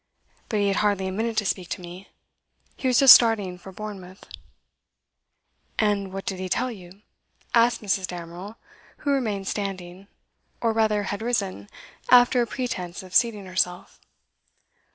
But he had hardly a minute to speak to me. He was just starting for Bournemouth.' 'And what did he tell you?' asked Mrs. Damerel, who remained standing, or rather had risen, after a pretence of seating herself.